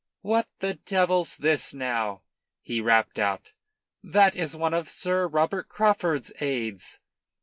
"What the devil's this now?" he rapped out. "That is one of Sir Robert Craufurd's aides."